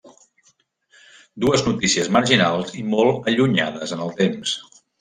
Dues notícies marginals i molt allunyades en el temps.